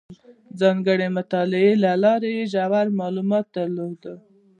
ځانګړې مطالعې له لارې یې ژور معلومات درلودل.